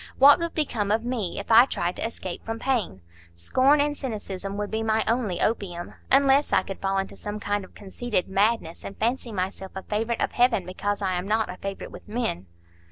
What would become of me, if I tried to escape from pain? Scorn and cynicism would be my only opium; unless I could fall into some kind of conceited madness, and fancy myself a favourite of Heaven because I am not a favourite with men."